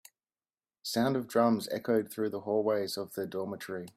Sounds of drums echoed through the hallways of the dormitory.